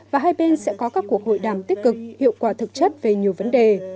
và hai bên sẽ có các cuộc hội đàm tích cực hiệu quả thực chất về nhiều vấn đề